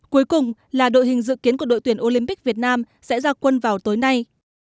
cuối cùng là đội hình dự kiến của đội tuyển olympic việt nam sẽ ra quân vào tối nay